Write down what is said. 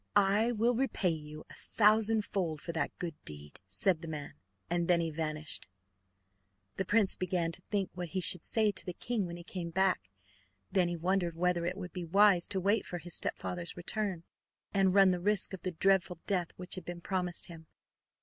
"I will repay you a thousand fold for that good deed." said the man, and then he vanished. The prince began to think what he should say to the king when he came back; then he wondered whether it would be wise to wait for his stepfather's return and run the risk of the dreadful death which had been promised him.